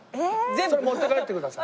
それ持って帰ってください。